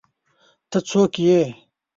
ته څوک ئې؟